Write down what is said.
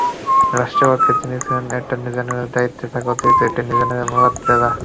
রাষ্ট্রপক্ষে ছিলেন অ্যাটর্নি জেনারেলের দায়িত্বে থাকা অতিরিক্ত অ্যাটর্নি জেনারেল মুরাদ রেজা।